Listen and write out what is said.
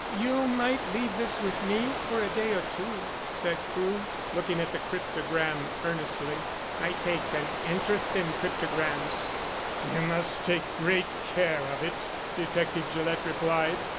"You might leave this with me for a day or two," said Crewe, looking at the cryptogram earnestly. "I take an interest in cryptograms." "You must take great care of it," Detective Gillett replied.